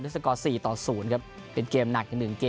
ด้วยสก๔ต่อ๐ครับเป็นเกมหนัก